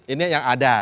ini yang ada